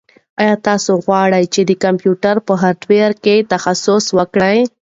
ایا تاسو غواړئ چې د کمپیوټر په هارډویر کې تخصص وکړئ؟